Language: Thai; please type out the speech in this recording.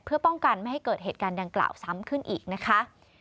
เพื่อป้องกันไม่ให้เกิดเหตุการณ์ดังกล่าวซ้ำขึ้นอีกนะคะ